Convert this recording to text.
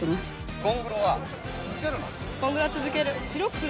ゴングロは続ける！